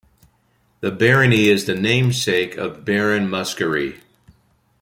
The barony is the namesake of Baron Muskerry.